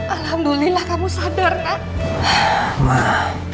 alhamdulillah kamu sadar nak